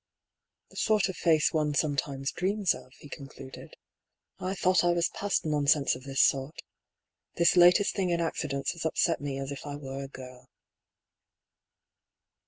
" The sort of face one sometimes dreams of," he con cluded. " I thought I was past nonsense of this sort. This latest thing in accidents has upset me as if I were a girl."